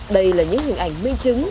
đây là những hình ảnh minh chứng